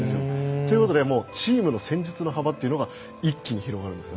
ということでチームの戦術の幅というのが一気に広がるんです。